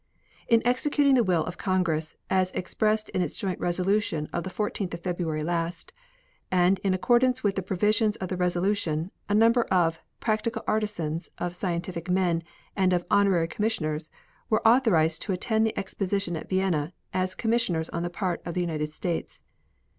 In executing the will of Congress, as expressed in its joint resolution of the 14th of February last, and in accordance with the provisions of the resolution, a number of "practical artisans," of "scientific men," and of "honorary commissioners" were authorized to attend the exposition at Vienna as commissioners on the part of the United States.